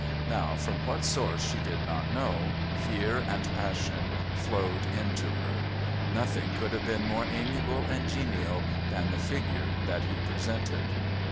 Now, from what source she did not know, fear and passion flowed into her. Nothing could have been more amiable and genial than the figure that he presented.